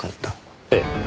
ええ。